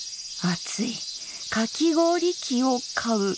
「かき氷器を買う」。